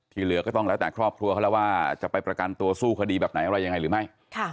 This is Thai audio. เหลือก็ต้องแล้วแต่ครอบครัวเขาแล้วว่าจะไปประกันตัวสู้คดีแบบไหนอะไรยังไงหรือไม่